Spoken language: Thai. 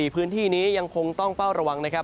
พื้นที่นี้ยังคงต้องเฝ้าระวังนะครับ